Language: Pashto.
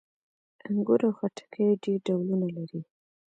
انګور او خټکي یې ډېر ډولونه لري.